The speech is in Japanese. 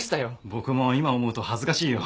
僕も今思うと恥ずかしいよ。